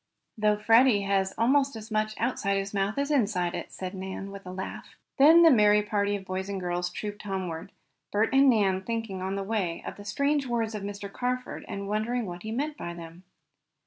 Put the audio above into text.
"Though Freddie has almost as much outside his mouth as inside it," said Nan, with a laugh. Then the merry party of boys and girls trooped homeward, Bert and Nan thinking on the way of the strange words of Mr. Carford and wondering what he meant by them.